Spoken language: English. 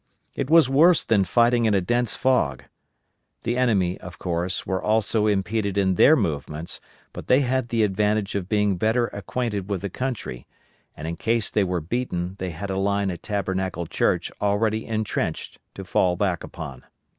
It was worse then fighting in a dense fog.* The enemy, of course, were also impeded in their movements, but they had the advantage of being better acquainted with the country, and in case they were beaten they had a line at Tabernacle Church already intrenched to fall back upon.